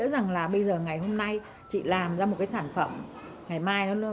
có nghĩa rằng là bây giờ ngày hôm nay chị làm ra một cái sản phẩm một cái nghệ sĩ